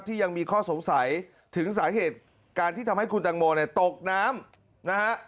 ยังมีข้อสงสัยถึงสาเหตุการที่ทำให้คุณตังโมเนี่ยตกน้ำนะฮะ